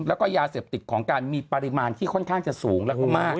แล้วก็ยาเสพติดของการมีปริมาณที่ค่อนข้างจะสูงแล้วก็มาก